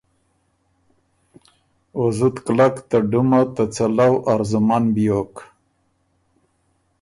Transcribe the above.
او زُت کلک ته ډُمه ته څَلؤ ارزومن بیوک